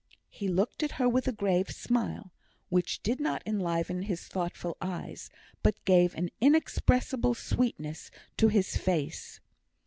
He looked at her with a grave smile, which did not enliven his thoughtful eyes, but gave an inexpressible sweetness to his face.